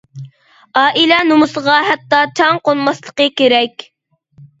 ئائىلە نومۇسىغا ھەتتا چاڭ قونماسلىقى كېرەك.